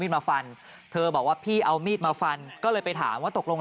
มาฟันเธอบอกว่าพี่เอามีดมาฟันก็เลยไปถามว่าตกลง